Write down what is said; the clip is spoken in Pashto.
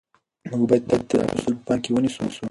موږ باید د ترافیکو اصول په پام کې ونیسو.